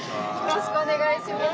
よろしくお願いします。